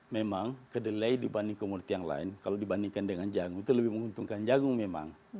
memang kedelai dibanding komoditi yang lain kalau dibandingkan dengan jagung itu lebih menguntungkan jagung memang